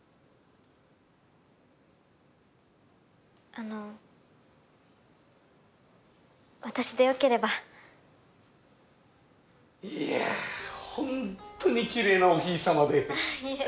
あの私でよければいやほんとにきれいなお姫様でいえ